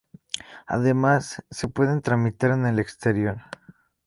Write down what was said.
Además, se pueden tramitar en el exterior.